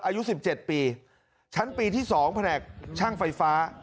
อายุ๑๗ปีชั้นปีที่๒แผนกช่างไฟฟ้า